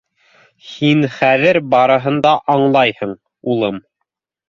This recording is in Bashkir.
— Һин хәҙер барыһын да аңлайһың, улым.